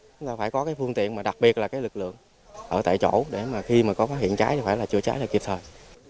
chúng ta phải có cái phương tiện mà đặc biệt là cái lực lượng ở tại chỗ để mà khi mà có phát hiện cháy thì phải là chữa cháy là kịp thời